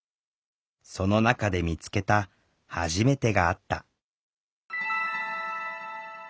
その中で見つけた「はじめて」があった。